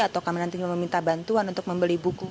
atau kamu nanti mau minta bantuan untuk membeli buku